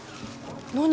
何？